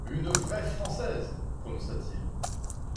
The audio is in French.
«Une vraie Française !» prononça-t-il.